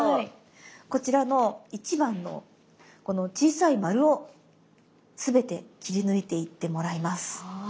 こちらの１番のこの小さい丸をすべて切り抜いていってもらいます。